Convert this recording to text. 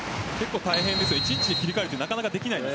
１日で切り替えるのはなかなかできません。